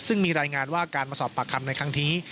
ซึ่งมีรายงานว่าการมาสอบปากคำในครั้งนี้